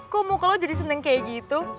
kok muka lo jadi seneng kayak gitu